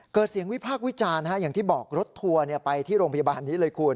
เกิดเสียงวิพากษ์วิจารณ์อย่างที่บอกรถทัวร์ไปที่โรงพยาบาลนี้เลยคุณ